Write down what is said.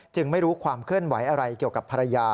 ไม่รู้ความเคลื่อนไหวอะไรเกี่ยวกับภรรยา